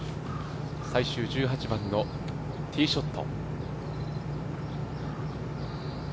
最終１８番のティーショット。